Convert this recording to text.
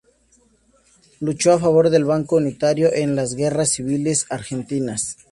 Luchó a favor del bando unitario en las Guerras civiles argentinas.